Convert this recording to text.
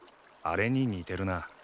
あれに似てるな。